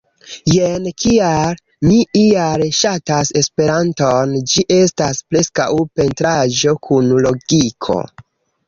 Jen kial mi ial ŝatas Esperanton ĝi estas preskaŭ pentraĵo kun logiko